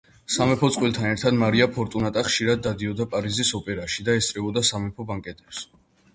სამეფო წყვილთან ერთად მარია ფორტუნატა ხშირად დადიოდა პარიზის ოპერაში და ესწრებოდა სამეფო ბანკეტებს.